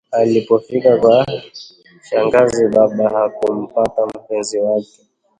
Alipofika kwa shangazi, baba hakumpata mpenzi wake